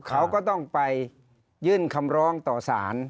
เขาก็ต้องไปยื่นคำร้องต่อสาร